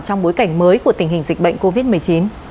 trong bối cảnh mới của tình hình dịch bệnh covid một mươi chín